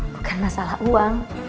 bukan masalah uang